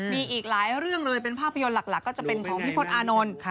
มีอีกหลายเรื่องเลยเป็นภาพยนตร์หลักก็จะเป็นของพี่พลตอานนท์